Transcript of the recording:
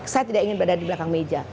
saya tidak ingin berada di belakang meja